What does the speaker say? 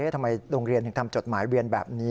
ทำไมโรงเรียนถึงทำจดหมายเวียนแบบนี้